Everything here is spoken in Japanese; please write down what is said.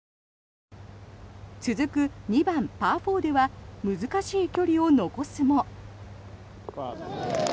続く２番、パー４では難しい距離を残すも。